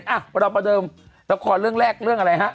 อ่ะเราประเดิมละครเรื่องแรกเรื่องอะไรฮะ